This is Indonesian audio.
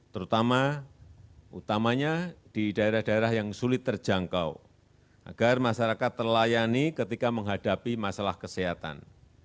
terutama utamanya di daerah daerah yang sulit terjangkau agar masyarakat terlayani ketika menghadapi masalah kesehatan